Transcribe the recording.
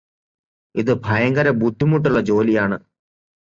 ഇത് ഭയങ്കര ബുദ്ധിമുട്ടുള്ള ജോലിയാണ്